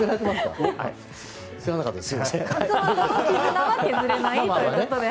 夫婦の絆は削れないということで。